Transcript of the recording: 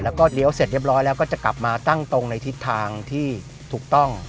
แล้วเศรษฐ์เรียบร้อยแล้วก็จะกลับมาตั้งตรงทางที่ถูกต้อง